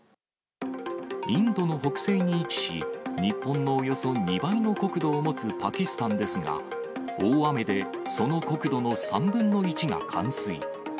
インドの北西に位置し、日本のおよそ２倍の国土を持つパキスタンですが、大雨でその国土の３分の１が冠水。